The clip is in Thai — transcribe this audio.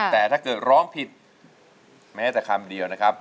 แต่ถ้าเกิดร้องผิดแม้แต่คำเดียวนะครับ